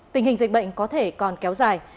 tình hình dịch bệnh có thể còn kéo dài